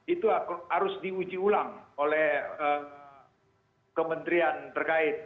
itu harus diuji ulang oleh kementerian terkait